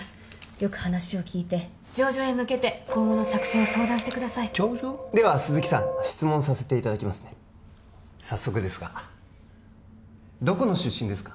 よく話を聞いて情状へ向けて今後の作戦を相談してください情状？では鈴木さん質問させていただきますね早速ですがどこの出身ですか？